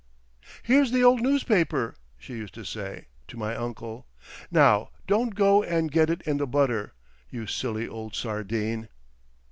"Here's the old news paper," she used to say—to my uncle. "Now don't go and get it in the butter, you silly old Sardine!"